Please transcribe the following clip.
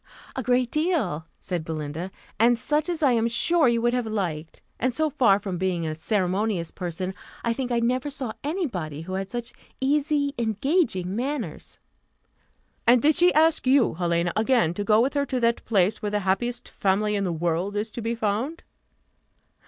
"A great deal," said Belinda, "and such as I am sure you would have liked: and so far from being a ceremonious person, I think I never saw any body who had such easy engaging manners." "And did she ask you, Helena, again to go with her to that place where the happiest family in the world is to be found?"